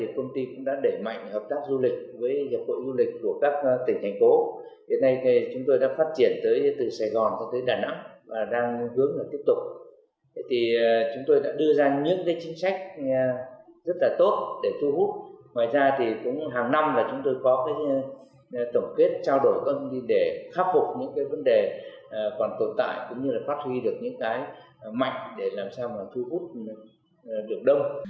khắc phục những vấn đề còn tồn tại cũng như phát huy được những cái mạnh để làm sao mà thu hút được đông